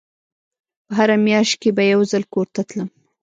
په هره مياشت کښې به يو ځل کور ته تلم.